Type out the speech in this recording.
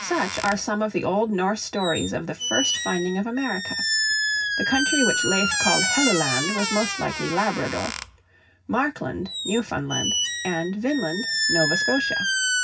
Such are some of the old Norse stories of the first finding of America. The country which Leif called Helluland was most likely Labrador, Markland Newfoundland, and Vineland Nova Scotia.